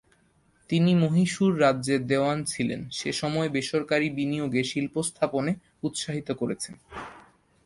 তিনি মহীশূর রাজ্যের দেওয়ান ছিলেন সেসময় বেসরকারি বিনিয়োগে শিল্পস্থাপনে উৎসাহিত করেছেন।